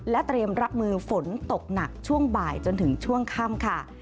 เตรียมรับมือฝนตกหนักช่วงบ่ายจนถึงช่วงค่ำค่ะ